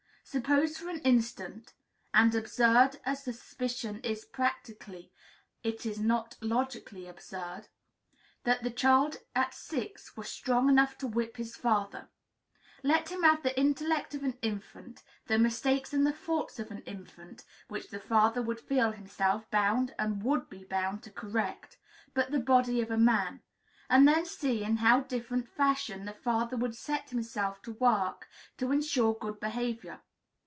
Suppose for an instant (and, absurd as the supposition is practically, it is not logically absurd), that the child at six were strong enough to whip his father; let him have the intellect of an infant, the mistakes and the faults of an infant, which the father would feel himself bound and would be bound to correct, but the body of a man; and then see in how different fashion the father would set himself to work to insure good behavior.